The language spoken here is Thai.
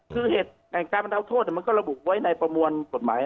คือเหตุแห่งการบรรเทาโทษมันก็ระบุไว้ในประมวลกฎหมาย